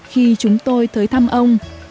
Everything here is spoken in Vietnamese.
khi chúng tôi tới thăm ông